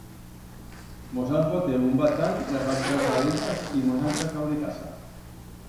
Mos han foteu un batán las altras abellas y mos han sacau de casa.